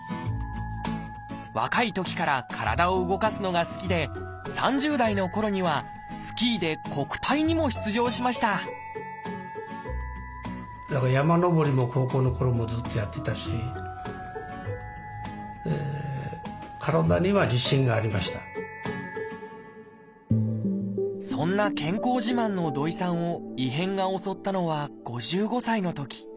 若いときから体を動かすのが好きで３０代のころにはそんな健康自慢の土井さんを異変が襲ったのは５５歳のとき。